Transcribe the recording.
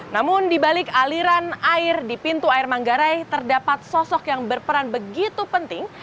namun di balik aliran air di pintu air manggarai terdapat sosok yang berperan begitu penting